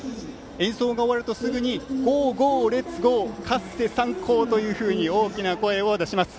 演奏が終わるとすぐに「ゴーゴーレッツゴーかっせ三高」と大きな声を出します。